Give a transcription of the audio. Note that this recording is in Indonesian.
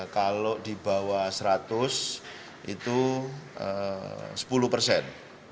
kalau di bawah seratus itu sepuluh persen